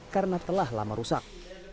karena telah lama rusak